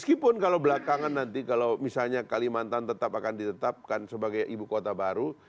meskipun kalau belakangan nanti kalau misalnya kalimantan tetap akan ditetapkan sebagai ibu kota baru